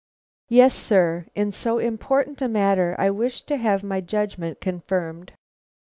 "Yes, sir; in so important a matter, I wished to have my judgment confirmed."